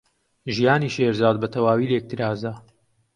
ژیانی شێرزاد بەتەواوی لێک ترازا.